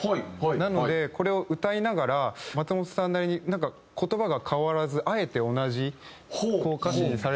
なのでこれを歌いながら松本さんなりになんか言葉が変わらずあえて同じ歌詞にされ。